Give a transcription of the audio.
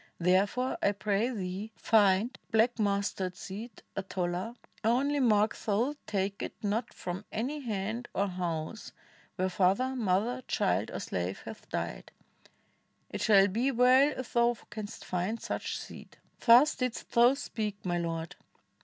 Therefore, I pray thee, find Black mustard seed, a tola; only mark Thou take it not from any hand or house Where father, mother, child, or slave hath died; It shall be wtU if thou canst find such seed.' Thus didst thou speak, my Lord!"